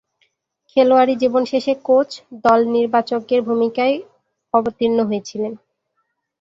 খেলোয়াড়ী জীবন শেষে কোচ, দল নির্বাচকের ভূমিকায় অবতীর্ণ হয়েছিলেন।